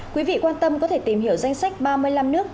quý vị quan tâm có thể tìm hiểu danh sách ba mươi năm nước